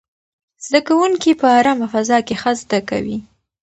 زده کوونکي په ارامه فضا کې ښه زده کوي.